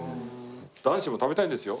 男子も食べたいんですよ